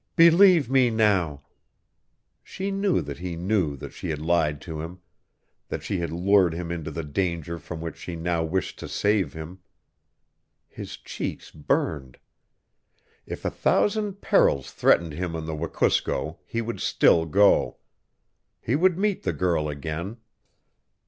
"Believe me now " She knew that he knew that she had lied to him, that she had lured him into the danger from which she now wished to save him. His cheeks burned. If a thousand perils threatened him on the Wekusko he would still go. He would meet the girl again.